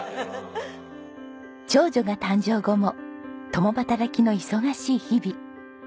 長女が誕生後も共働きの忙しい日々。